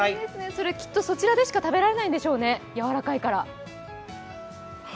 それ、きっとそちらでしか食べられないんでしょうね、やわらかいから。